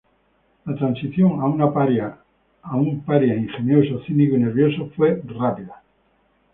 La transición a un paria ingenioso, cínico y nervioso fue rápido.